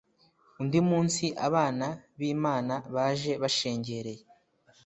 Undi munsi abana b imana baje bashengereye